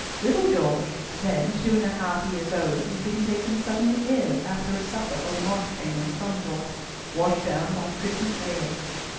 Little George, then two and a half years old, had been taken suddenly ill after a supper on marchpane and plum broth, washed down by Christmas ale.